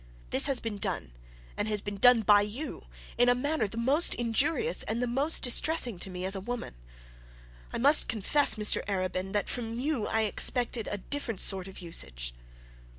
This has been done, and been done by you in a manner the most injurious and the most distressing to a woman. I must confess, Mr Arabin, that from you I expected a different sort of usage.'